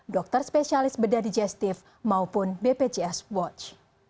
dokter spesialis bedah digestif maupun bpjs watch